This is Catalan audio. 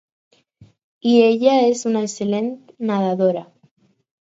I ella és una excel·lent nedadora.